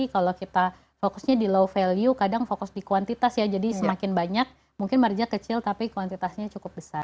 kalau kita fokusnya di low value kadang fokus di kuantitas ya jadi semakin banyak mungkin margin kecil tapi kuantitasnya cukup besar